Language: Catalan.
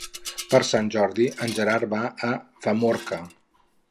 Per Sant Jordi en Gerard va a Famorca.